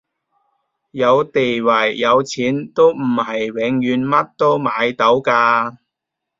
有地位有錢都唔係永遠乜都買到㗎